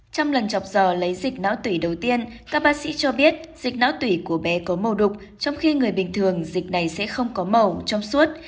trong lần chọc giờ lấy dịch não tủy đầu tiên các bác sĩ cho biết dịch não tủy của bé có màu đục trong khi người bình thường dịch này sẽ không có màu trong suốt